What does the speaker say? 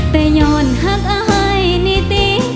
แต่ย้อนหักอายนิติ